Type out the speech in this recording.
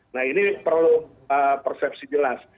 nah ini perlu persepsi jelas